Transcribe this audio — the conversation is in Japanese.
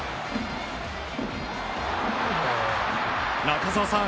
中澤さん